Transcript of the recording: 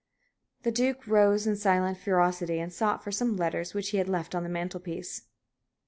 The Duke rose in silent ferocity and sought for some letters which he had left on the mantel piece.